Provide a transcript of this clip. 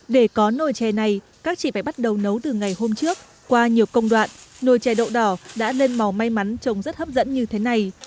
để có nồi chè này các chị phải bắt đầu nấu từ ngày hôm trước qua nhiều công đoạn nồi chè đậu đỏ đã lên màu may mắn trông rất hấp dẫn như thế này